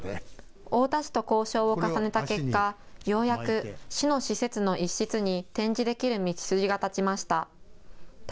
太田市と交渉を重ねた結果、ようやく市の施設の一室に展示できる道筋が立ちました。